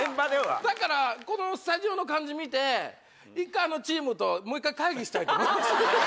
だからこのスタジオの感じ見て１回チームともう１回会議したいと思います。